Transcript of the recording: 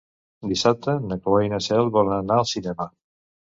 Dissabte na Cloè i na Cel volen anar al cinema.